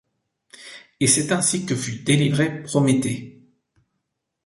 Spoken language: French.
Et c’est ainsi que fut délivré Prométhée.